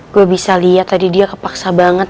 gue bisa lihat tadi dia kepaksa banget